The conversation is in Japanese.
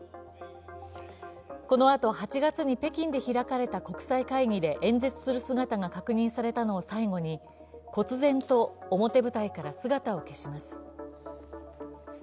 このあと８月に北京で開かれた国際会議で演説する姿が確認されたのを最後にこつ然と表舞台から姿を消します。